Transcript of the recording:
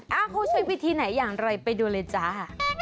เขาใช้วิธีไหนอย่างไรไปดูเลยจ้า